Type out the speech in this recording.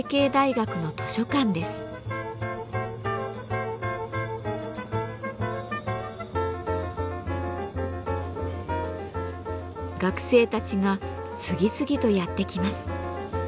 学生たちが次々とやって来ます。